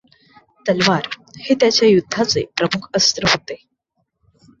तलवार हे त्याच्या युध्दाचे प्रमुख अस्त्र होते.